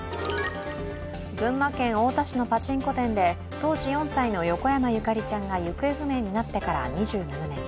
群馬県太田市のパチンコ店で当時４歳の横山ゆかりちゃんが行方不明になってから２７年。